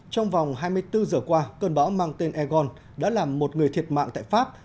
trong vòng hai mươi bốn giờ qua cơn bão mang tên egon đã làm một người thiệt mạng tại pháp